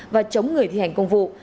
và chống người thi hành công vụ